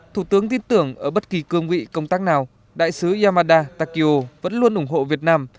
thủ tướng tin tưởng ở bất kỳ cương vị công tác nào đại sứ yamada takio vẫn luôn ủng hộ việt nam